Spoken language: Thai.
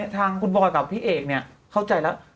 ทางคุณบอยกับพี่เอกเนี่ยเข้าใจแล้ว